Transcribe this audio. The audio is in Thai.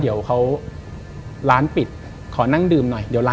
เดี๋ยวร้านปิดขอนั่งดื่มหน่อย